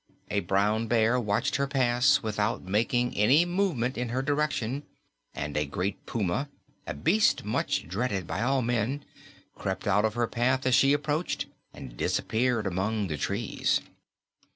A brown bear watched her pass without making any movement in her direction and a great puma a beast much dreaded by all men crept out of her path as she approached, and disappeared among the trees.